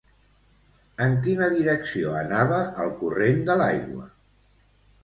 En quina direcció anava el corrent de l'aigua?